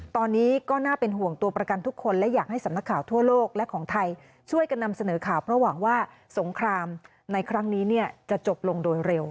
ตอนนี้ก็น่าเป็นห่วงตัวประกันทุกคนและอยากให้สำนักข่าวทั่วโลกและของไทยช่วยกันนำเสนอข่าวเพราะหวังว่าสงครามในครั้งนี้จะจบลงโดยเร็ว